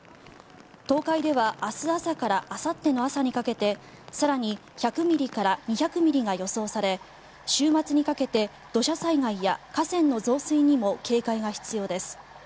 東海では明日朝からあさっての朝にかけて更に１００ミリから２００ミリが予想され週末にかけて土砂災害や河川の増水にも警戒が必要です。